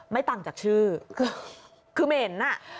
ไม่ต่างจากชื่อคือเหม็นอ่ะ